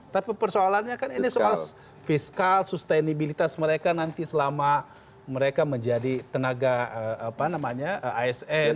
tapi persoalannya kan ini soal fiskal sustenibilitas mereka nanti selama mereka menjadi tenaga asn